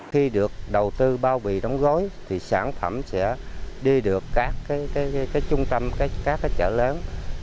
khi được đầu tư bao vị đóng gói sản phẩm sẽ đi được các trung tâm các chợ lớn